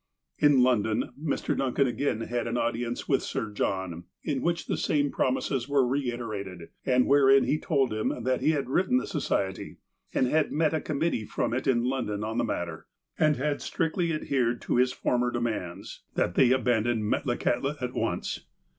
In London, Mr. Duncan again had an audience with Sir John, in which the same promises were reiterated, and wherein he told him that he had written the Society, and had met a committee from it in London on the mat ter, and had strictly adhered to his former demands, that they abandon Metlakahtla at once.